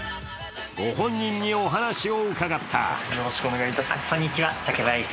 ご本人にお話を伺った。